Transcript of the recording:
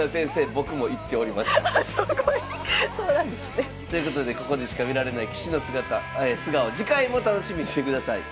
そうなんですね。ということでここでしか見られない棋士の素顔次回も楽しみにしてください。